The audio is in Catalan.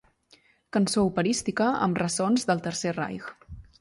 Cançó operística amb ressons del Tercer Reich.